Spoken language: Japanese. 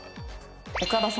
岡田さん。